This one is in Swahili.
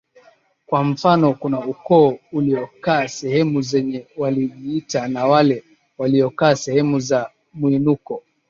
Kwa mfano kuna ukoo uliokaa sehemu zenye walijiita na wale waliokaa sehemu za mwinuko